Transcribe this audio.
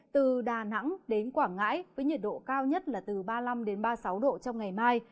từ đà nẵng đến quảng ngãi với nhiệt độ cao nhất là từ ba mươi năm ba mươi sáu độ trong ngày mai